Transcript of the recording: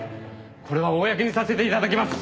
これは公にさせて頂きます。